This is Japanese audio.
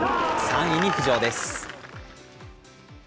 ３位に浮上です。